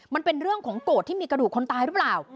มันเป็นเรื่องของโกรธที่มีกระดูกคนตายหรือเปล่า